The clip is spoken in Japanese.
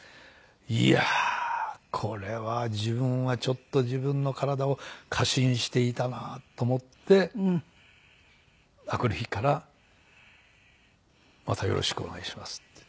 いやあこれは自分はちょっと自分の体を過信していたなと思って明くる日から「またよろしくお願いします」って言って。